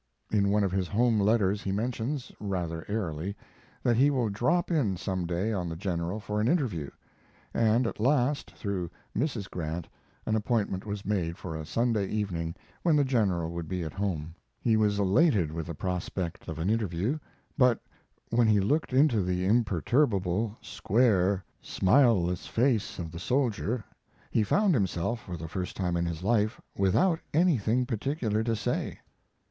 In one of his home letters he mentions, rather airily, that he will drop in someday on the General for an interview; and at last, through Mrs. Grant, an appointment was made for a Sunday evening when the General would be at home. He was elated with the prospect of an interview; but when he looked into the imperturbable, square, smileless face of the soldier he found himself, for the first time in his life, without anything particular to say.